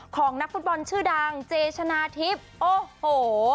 ของนักฟุตบอลชื่อดังเจชนะทิพย์โอ้โห